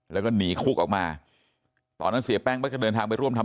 แล้วก็หนีคุกออกมาตอนนั้นเสียแป้งก็จะเดินทางไปร่วมทำ